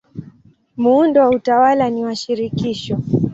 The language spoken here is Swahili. Muundo wa utawala ni wa shirikisho.